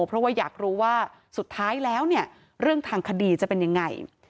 เพราะว่าอยากรู้ว่าสุดท้ายแล้วเนี่ยเรื่องทางคดีจะเป็นยังไง